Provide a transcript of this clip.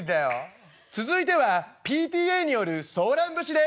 「続いてはＰＴＡによる『ソーラン節』です」。